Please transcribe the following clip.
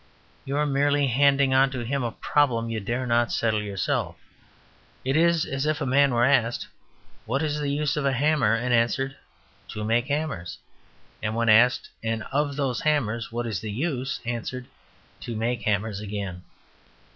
You are merely handing on to him a problem you dare not settle yourself. It is as if a man were asked, "What is the use of a hammer?" and answered, "To make hammers"; and when asked, "And of those hammers, what is the use?" answered, "To make hammers again".